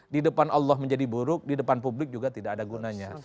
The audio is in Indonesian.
di depan allah menjadi buruk di depan publik juga tidak ada gunanya